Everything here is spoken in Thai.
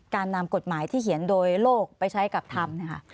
การนำกฎหมายที่เขียนโดยโลกไปใช้กับธรรมเนี่ยค่ะ